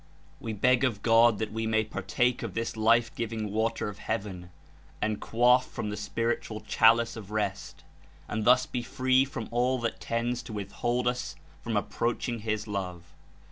''We beg of God that we may partake of this Life giving Water of Heaven and quaff from the Spiritual Chalice of rest, and thus be free from all that tends to withhold us from approaching His Love.